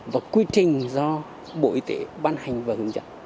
và quy trình do bộ y tế ban hành và hướng dẫn